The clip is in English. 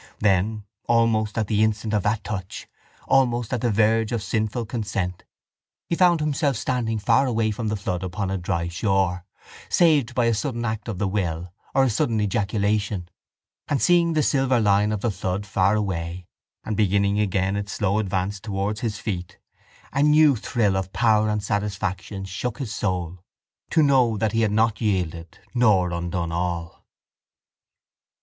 Then, almost at the instant of that touch, almost at the verge of sinful consent, he found himself standing far away from the flood upon a dry shore, saved by a sudden act of the will or a sudden ejaculation; and, seeing the silver line of the flood far away and beginning again its slow advance towards his feet, a new thrill of power and satisfaction shook his soul to know that he had not yielded nor undone all.